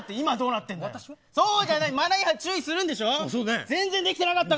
マナー違反を注意するんでしょう。